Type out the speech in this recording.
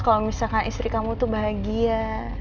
kalau misalkan istri kamu tuh bahagia